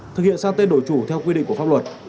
thực hiện sang tên đổi chủ theo quy định của pháp luật